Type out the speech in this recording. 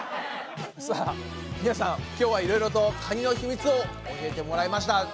さあ皆さん今日はいろいろとカニの秘密を教えてもらいました。